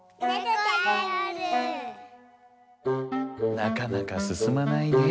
なかなかすすまないねぇ。